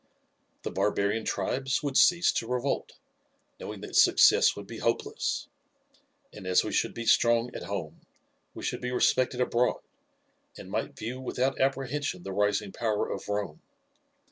"The barbarian tribes would cease to revolt, knowing that success would be hopeless. And as we should be strong at home we should be respected abroad, and might view without apprehension the rising power of Rome.